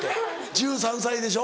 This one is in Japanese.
１３歳でしょ？